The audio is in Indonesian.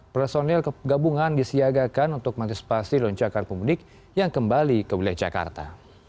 personel kegabungan disiagakan untuk mantis pasi loncakan pemudik yang kembali ke wilayah jakarta